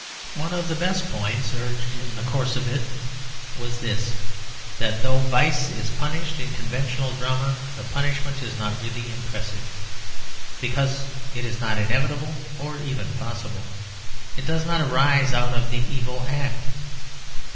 One of the best points urged in the course of it was this, that though vice is punished in conventional drama, the punishment is not really impressive, because it is not inevitable or even probable. It does not arise out of the evil act.